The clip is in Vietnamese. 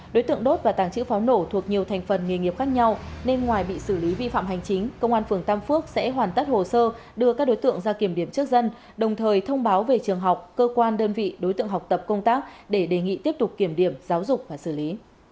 đối tượng đốt và tàng trữ pháo nổ thuộc nhiều thành phần nghề nghiệp khác nhau nên ngoài bị xử lý vi phạm hành chính công an phường tam phước sẽ hoàn tất hồ sơ đưa các đối tượng ra kiểm điểm trước dân đồng thời thông báo về trường học cơ quan đơn vị đối tượng học tập công tác để đề nghị tiếp tục kiểm điểm giáo dục và xử lý